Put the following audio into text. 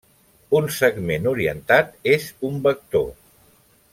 Un segment orientat és un vector.